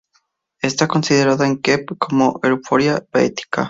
Está considerada en Kew como "Euphorbia baetica".